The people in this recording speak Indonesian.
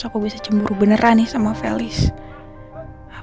lapan tahun saya baru tahun ini diyorum sama dia